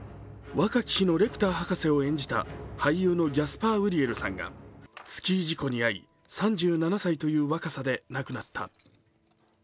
若き日のレクター博士を演じたギャスパー・ウリエルさんがスキー事故に遭い３７歳という若さで亡くなった。